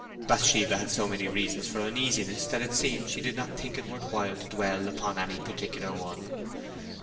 Bathsheba had so many reasons for uneasiness that it seemed she did not think it worth while to dwell upon any particular one.